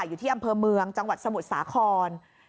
อยู่ที่อำเภอเมืองจังหวัดสมุทรสาคร